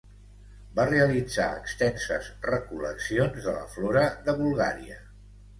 Va realitzar extenses recol·leccions de la flora de Bulgària.